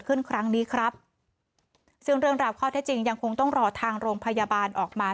ครั้งนี้ครับซึ่งเรื่องราวข้อเท็จจริงยังคงต้องรอทางโรงพยาบาลออกมา